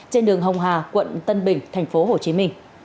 trên đường hồng hà quận tân bình tp hcm